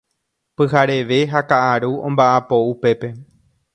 Pyhareve ha ka'aru omba'apo upépe.